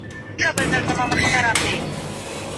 مادي کلتور په اقتصادي عواملو هم تکیه کوي.